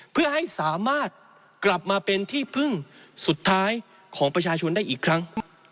เพื่อให้สามารถกลับมาเป็นที่พึ่งสุดท้ายของประชาชนได้อีกครั้ง